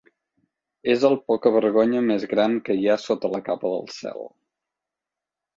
És el pocavergonya més gran que hi ha sota la capa del cel.